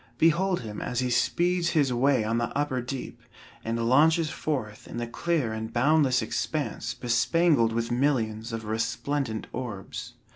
Behold him as he speeds his way on the upper deep, and launches forth in the clear and boundless expanse bespangled with millions of resplendent orbs.